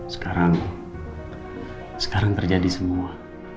sekarang sekarang terjadi semua